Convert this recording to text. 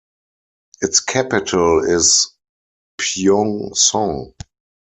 Its capital is Pyongsong.